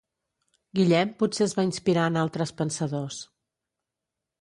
Guillem potser es va inspirar en altres pensadors.